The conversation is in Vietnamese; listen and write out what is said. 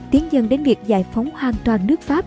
tiến dần đến việc giải phóng hoàn toàn nước pháp